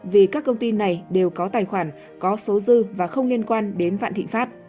vì các công ty này đều có tài khoản có số dư và không liên quan đến vạn thịnh pháp